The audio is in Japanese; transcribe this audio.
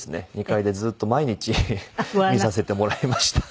２階でずっと毎日見させてもらいました。